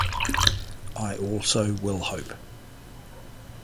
I also will hope.